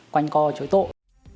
quanh co chối tội